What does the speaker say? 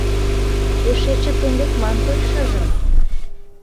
Эше чытен лекман той шыжым